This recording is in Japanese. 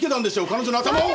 彼女の頭を！